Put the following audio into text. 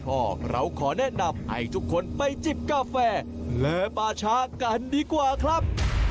เราขอแนะนำให้ทุกคนไปจิบกาแฟและปาชากันดีกว่าครับ